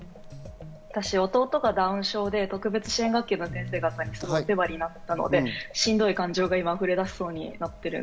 私、弟がダウン症で特別支援学級の先生方にお世話になったので、しんどい感情が今、溢れ出しそうになっています。